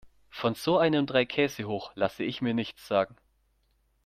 Von so einem Dreikäsehoch lasse ich mir nichts sagen.